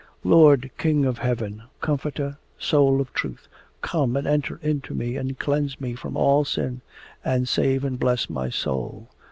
'Lord, King of Heaven, Comforter, Soul of Truth! Come and enter into me and cleanse me from all sin and save and bless my soul.